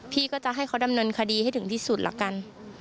พี่ก็จะให้เขาดำเนินคดีให้ถึงที่สุดละกัน